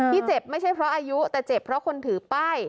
เจ็บไม่ใช่เพราะอายุแต่เจ็บเพราะคนถือป้าย